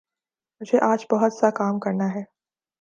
مجھے آج بہت سا کام کرنا ہے